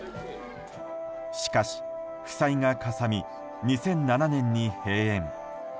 しかし、負債がかさみ２００７年に閉園。